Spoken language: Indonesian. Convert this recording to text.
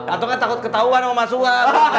atau kan takut ketauan sama masuha